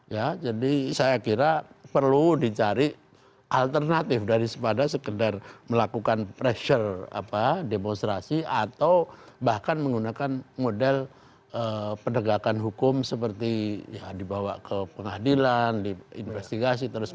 ya jadi saya kira perlu dicari alternatif dari pada sekedar melakukan pressure apa demonstrasi atau bahkan menggunakan model pendegakan hukum seperti ya dibawa ke pengadilan di investigasi ternyata